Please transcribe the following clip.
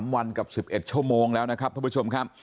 ๓วันกับ๑๑ชั่วโมงแล้วนะครับท่านผู้ชมครับ